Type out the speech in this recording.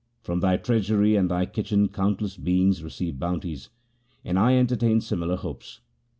From thy treasury and thy kitchen countless beings receive bounties, and I entertain similar hopes.